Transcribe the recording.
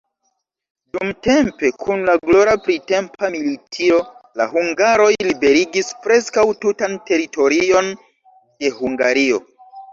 Dumtempe, kun la glora printempa militiro, la hungaroj liberigis preskaŭ tutan teritorion de Hungario.